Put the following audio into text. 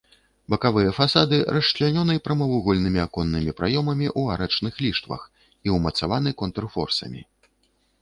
Бакавыя фасады расчлянёны прамавугольнымі аконнымі праёмамі ў арачных ліштвах і ўмацаваны контрфорсамі.